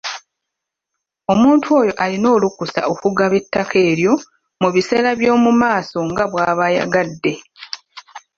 Omuntu oyo alina olukusa okugaba ettaka eryo mu biseera by'omu maaso nga bw'aba ayagadde.